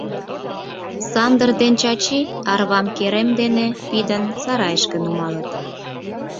Сандыр ден Чачи арвам керем дене пидын сарайышке нумалыт.